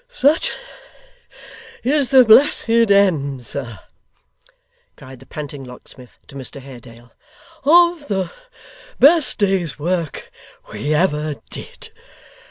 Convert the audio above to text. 'Such is the blessed end, sir,' cried the panting locksmith, to Mr Haredale, 'of the best day's work we ever did.